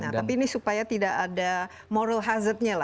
tapi ini supaya tidak ada moral hazardnya